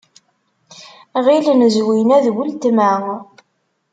Ɣilen Zwina d weltma.